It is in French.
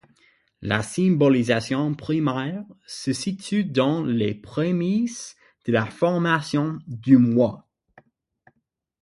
La symbolisation primaire se situe dans les prémices de la formation du moi.